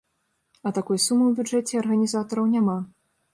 А такой сумы ў бюджэце арганізатараў няма.